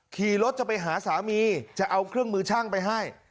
ขี่รถจะไปหาสามีจะเอาเครื่องมือช่างไปให้